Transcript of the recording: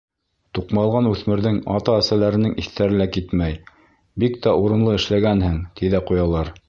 Туҡмалған үҫмерҙең ата-әсәләренең иҫтәре лә китмәй, бик тә урынлы эшләгәнһең, ти ҙә ҡуялар.